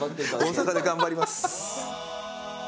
大阪で頑張ります。